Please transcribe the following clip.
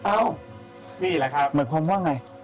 นี่แหละครับหมายความว่าไง